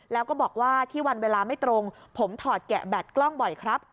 แล้วก็บอกว่าที่วันเวลาไม่ตรงผมถอดแกะแบตกล้องบ่อยครับ